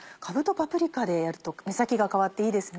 パプリカでやると目先が変わっていいですね。